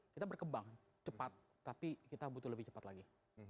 kita berkembang cepat tapi kita butuh lebih cepat lagi